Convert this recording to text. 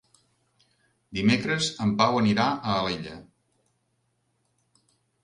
Dimecres en Pau anirà a Alella.